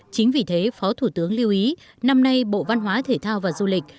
chính vì thế phó thủ tướng lưu ý năm nay bộ văn hóa thể thao và du lịch